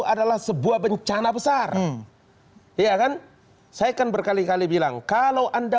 adalah sebuah bencana besar iya kan saya akan berkali kali bilang kalau anda